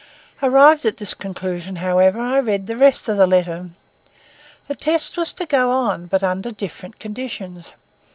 Arrived at this conclusion, however, I read the rest of the letter. The test was to go on, but under different conditions.